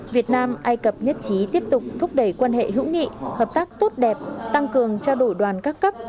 việt nam ai cập nhất trí tiếp tục thúc đẩy quan hệ hữu nghị hợp tác tốt đẹp tăng cường trao đổi đoàn các cấp